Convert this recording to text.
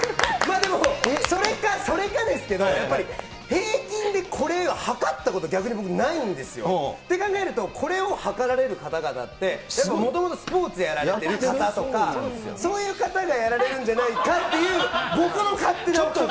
でも、それか、それかですけど、やっぱり、平均でこれを測ったこと、僕ないんですよ。って考えると、これを測られる方々って、もともとスポーツやられてる方とか、そういう方がやられるんじゃないかっていう、僕の勝手な臆測。